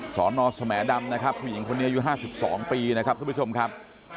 สอนอสแหมดำนะครับผู้หญิงคนนี้อายุ๕๒ปีนะครับทุกผู้ชมครับ